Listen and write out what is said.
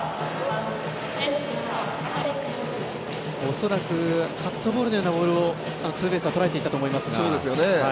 恐らくカットボールのようなボールをツーベースはとらえていたと思いますが。